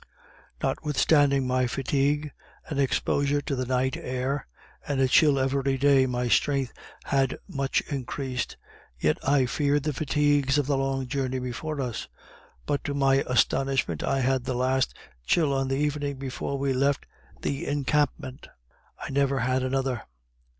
Notwithstanding my fatigue and exposure to the night air, and a chill every day, my strength had much increased, yet I feared the fatigues of the long journey before us; but to my astonishment I had the last chill on the evening before we left the encampment I never had another.